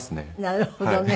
なるほどね。